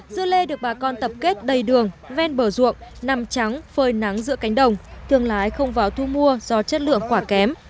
dưa lê được bà con tập kết đầy đường ven bờ ruộng nằm trắng phơi nắng giữa cánh đồng thương lái không vào thu mua do chất lượng quả kém